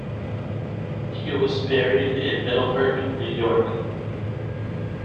He was buried in Middleburgh, New York.